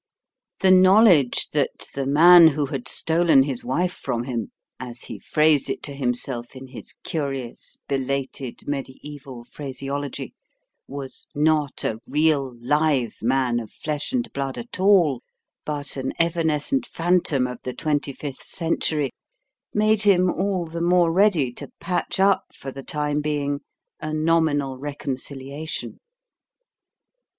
The knowledge that the man who had stolen his wife from him (as he phrased it to himself in his curious belated mediaeval phraseology) was not a real live man of flesh and blood at all, but an evanescent phantom of the twenty fifth century, made him all the more ready to patch up for the time being a nominal reconciliation.